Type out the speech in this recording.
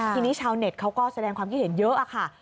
ทีนี้ชาวเน็ตเขาก็แสดงความคิดเห็นเยอะค่ะ